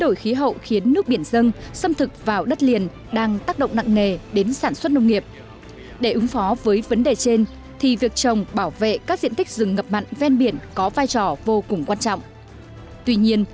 các bạn hãy đăng ký kênh để ủng hộ kênh của chúng mình nhé